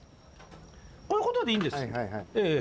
こういうことでいいんです。